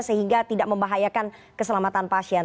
sehingga tidak membahayakan keselamatan pasien